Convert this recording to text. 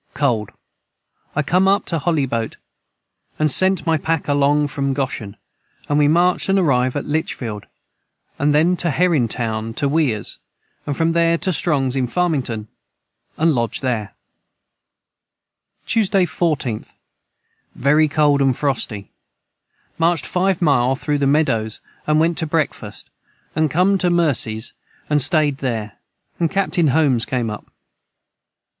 Cold I com up to Holleboate & sent my Pack a long from goshen & then we marched and arived at Litchfield & then to Herrintown to Wiers & from their to Strongs in Farmingtown & Lodged their. Tuesday 14th. Very cold & frosty marched 5 mile through the Meadows & went to Brecfast and com to Mercies and stayed their & capt.n Holmes came up.